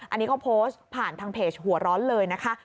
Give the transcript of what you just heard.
อันนี้เขาโพสต์ผ่านทางเพจหัวร้อนเลยนะคะ